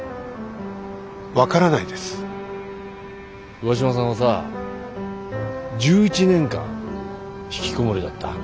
上嶋さんはさ１１年間ひきこもりだった。